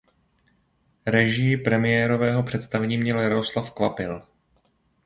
Režii premiérového představení měl Jaroslav Kvapil.